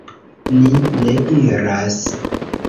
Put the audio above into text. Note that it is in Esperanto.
Ni ne iras.